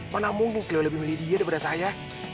mana mungkin jauh lebih milih dia daripada saya